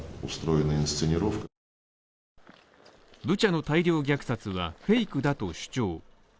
ブチャの大量虐殺はフェイクだと主張。